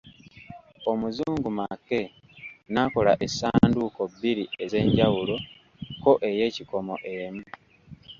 Omuzungu Mackay n'akola essanduuko bbiri ez'embawo ko ey'ekikomo emu.